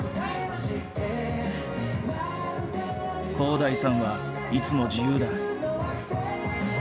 洸大さんはいつも自由だ。